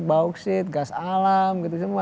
bauksit gas alam gitu semua